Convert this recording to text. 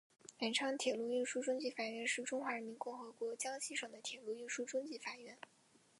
南昌铁路运输中级法院是中华人民共和国江西省的铁路运输中级法院。